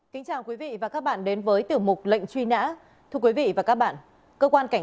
kính chào quý vị và các bạn đến với tiểu mục lệnh truy nã thưa quý vị và các bạn cơ quan cảnh